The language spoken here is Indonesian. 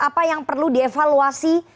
apa yang perlu dievaluasi